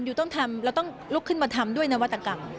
ต้องทำเราต้องลุกขึ้นมาทำด้วยนวัตกรรม